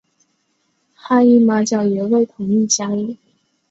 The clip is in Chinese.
哈伊马角也未同意加入。